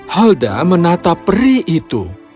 helda menatap peri itu